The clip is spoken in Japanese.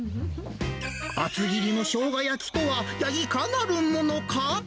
厚切りのショウガ焼きとは、いかなるものか。